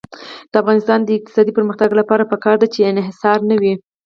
د افغانستان د اقتصادي پرمختګ لپاره پکار ده چې انحصار نه وي.